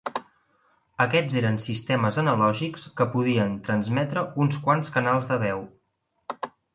Aquests eren sistemes analògics que podien transmetre uns quants canals de veu.